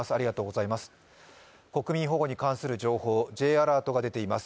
国民保護に関する情報Ｊアラートが出ています。